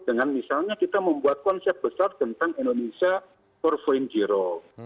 dengan misalnya kita membuat konsep besar tentang indonesia empat